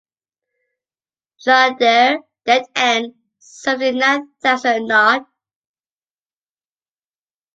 Jean Dere dead end, seventy-nine thousand, Niort.